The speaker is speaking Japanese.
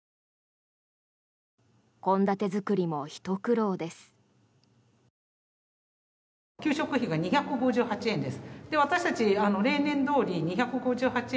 献立作りもひと苦労です。